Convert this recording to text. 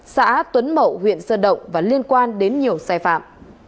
xã tuấn mậu huyện sơn động và liên quan đến nhiều sai phạm